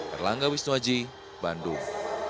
erlangga wisnuaji bandung